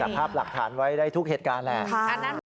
ภาพหลักฐานไว้ได้ทุกเหตุการณ์แหละ